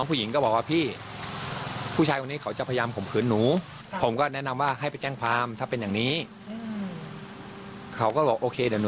ผู้หญิงบอกว่าพี่ตอนนี้ต้องการพยาน